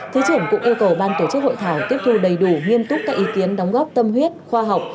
thứ trưởng cũng yêu cầu ban tổ chức hội thảo tiếp thu đầy đủ nghiêm túc các ý kiến đóng góp tâm huyết khoa học